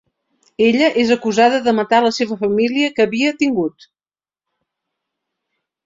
Ella és acusada de matar la seva família que havia tingut.